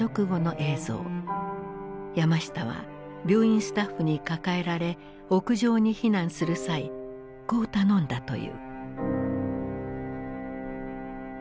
山下は病院スタッフに抱えられ屋上に避難する際こう頼んだという。